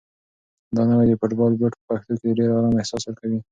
دا نوی د فوټبال بوټ په پښو کې د ډېر ارام احساس ورکوي.